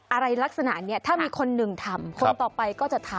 อะไรลักษณะนี้ถ้ามีคนหนึ่งทำคนต่อไปก็จะทำ